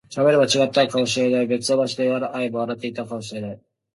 喋れば違ったのかもしれない、別の場所で会えば笑っていたかもしれない